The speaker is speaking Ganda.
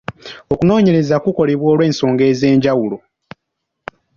Okunoonyereza kukolebwa olw'ensonga ez'enjawulo.